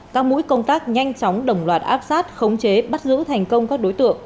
các mũi công tác nhanh chóng đồng loạt áp sát khống chế bắt giữ thành công các đối tượng